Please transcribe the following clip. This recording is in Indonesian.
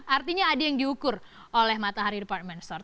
artinya ada yang diukur oleh matahari department store